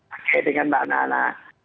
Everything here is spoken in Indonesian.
oke dengan mbak nana